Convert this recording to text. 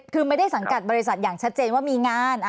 คือไม่ได้สังกัดบริษัทอย่างชัดเจนว่ามีงาน